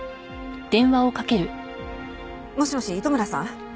もしもし糸村さん？